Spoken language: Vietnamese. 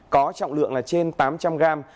có trọng lượng là trên tám trăm linh gram